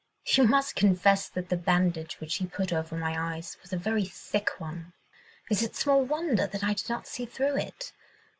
You must confess that the bandage which he put over my eyes was a very thick one. Is it small wonder that I did not see through it?